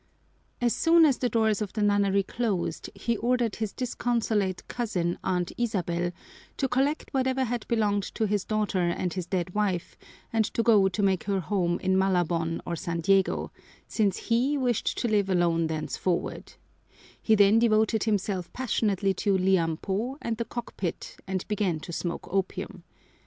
As soon as the doors of the nunnery closed he ordered his disconsolate cousin, Aunt Isabel, to collect whatever had belonged to his daughter and his dead wife and to go to make her home in Malabon or San Diego, since he wished to live alone thenceforward, tie then devoted himself passionately to liam pó and the cockpit, and began to smoke opium.